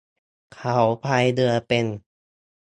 เขาพายเรือเป็น